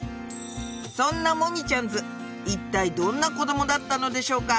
そんなもみちゃん☆ズ一体どんな子供だったのでしょうか？